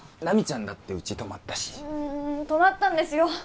奈未ちゃんだってうち泊まったし泊まったんですよ